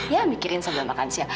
ya mikirin sambil makan siang